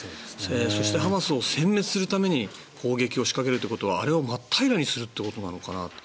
そして、ハマスをせん滅するために攻撃を仕掛けるということはあれを真っ平らにするということなのかな。